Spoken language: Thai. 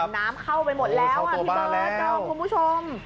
น้ำเข้าไปหมดแล้วพี่เบิร์ดดอมคุณผู้ชม